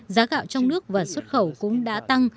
giá gạo trong nước và xuất khẩu cũng đã tăng